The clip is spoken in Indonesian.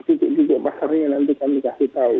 tidak di pasarnya nanti kami kasih tahu